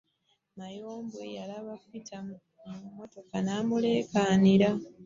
Mayombwe yalaba Petero mu mmotoka n'alyoka amuleekanira.